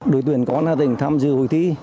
đội tuyển công an tỉnh tham dự hội thi